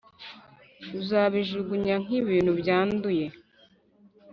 Uzabijugunya nk’ibintu byanduye,